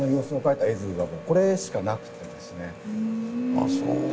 あっそう。